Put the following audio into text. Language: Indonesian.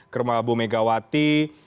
ke rumah bu megawati